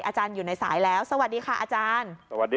อาจารย์อยู่ในสายแล้วสวัสดีค่ะอาจารย์สวัสดี